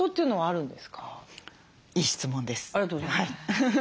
ありがとうございます。